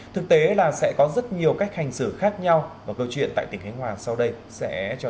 thực tế là sẽ có rất nhiều cách hành xử khác nhau và câu chuyện tại tỉnh khánh hòa sau đây sẽ cho